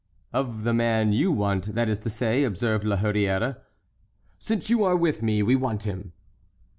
"Of the man you want—that is to say"—observed La Hurière. "Since you are with me we want him."